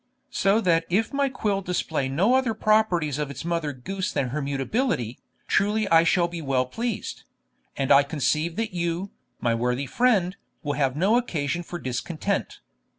So that if my quill display no other properties of its mother goose than her mutability, truly I shall be well pleased; and I conceive that you, my worthy friend, will have no occasion for discontent.